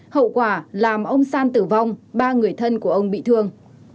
hậu quả làm ông san tử vong ba người thân của ông bị thương